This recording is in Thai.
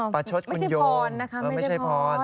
ประชดคุณโยมไม่ใช่ภอนนะคะ